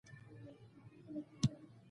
بزګر د طبیعت ښوونکی دی